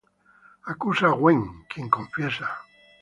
Acusa a Gwen, quien confiesa.